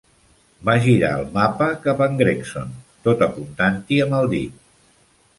Va girar el mapa cap a en Gregson, tot apuntant-hi amb el dit.